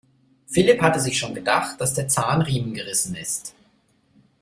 Philipp hatte sich schon gedacht, dass der Zahnriemen gerissen ist.